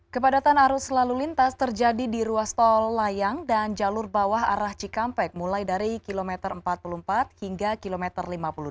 kepadatan arus lalu lintas terjadi di ruas tol layang dan jalur bawah arah cikampek mulai dari kilometer empat puluh empat hingga kilometer lima puluh dua